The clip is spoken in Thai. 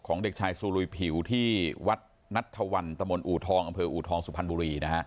ของเด็กชายสูรุยผิวที่วัดนัทธวัณธ์ตมอูทองออูทองสุพันธ์บุรี